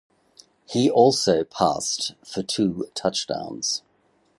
He also passed for two touchdowns.